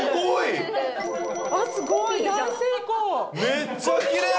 めっちゃきれい！